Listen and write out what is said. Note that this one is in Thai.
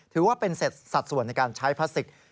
ถือว่าเป็นสัดส่วนในการใช้พลาสติก